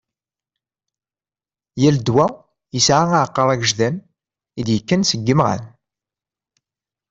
Yal ddwa yesɛa "Aɛeqqar agejdan" id-yekkan seg imɣan.